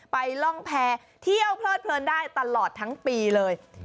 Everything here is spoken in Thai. ร่องแพรเที่ยวเพลิดเพลินได้ตลอดทั้งปีเลย